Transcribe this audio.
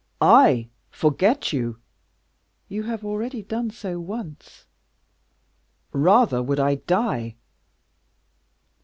"I forget you!" "You have already done so, once." "Rather would I die."